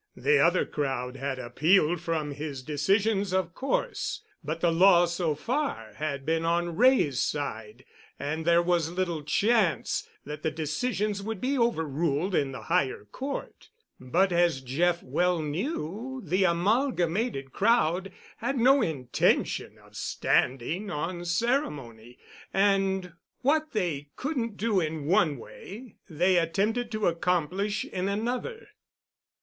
The other crowd had appealed from his decisions, of course, but the law so far had been on Wray's side, and there was little chance that the decisions would be overruled in the higher court. But as Jeff well knew, the Amalgamated crowd had no intention of standing on ceremony, and what they couldn't do in one way they attempted to accomplish in, another.